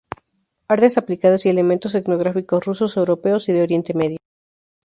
Artes aplicadas y elementos etnográficos, rusos, europeos y de Oriente Medio.